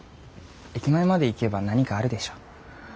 駅前まで行けば何かあるでしょ。